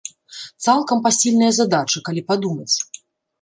Цалкам пасільная задача, калі падумаць.